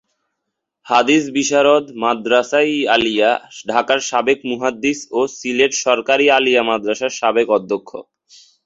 হাদীস বিশারদ, মাদরাসা-ই-আলিয়া ঢাকার সাবেক মুহাদ্দিস ও সিলেট সরকারী আলিয়া মাদরাসার সাবেক অধ্যক্ষ।